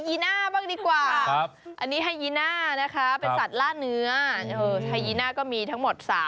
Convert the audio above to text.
ลิงอะไรนะครับลิงชิมแกงฟรี